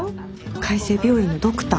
海生病院のドクター。